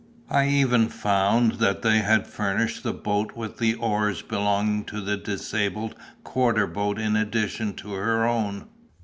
I even found that they had furnished the boat with the oars belonging to the disabled quarter boat in addition to her own.